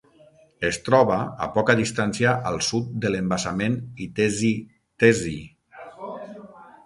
Es troba a poca distància al sud de l'embassament Itezhi-Tezhi.